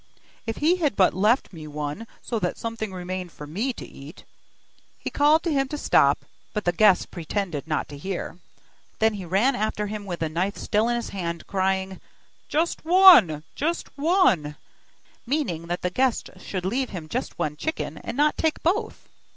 'If he had but left me one, so that something remained for me to eat.' He called to him to stop, but the guest pretended not to hear. Then he ran after him with the knife still in his hand, crying: 'Just one, just one,' meaning that the guest should leave him just one chicken, and not take both.